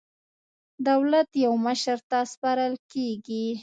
دولت یو مشر ته سپارل کېږي.